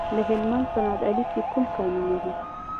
د هلمند په نادعلي کې کوم کانونه دي؟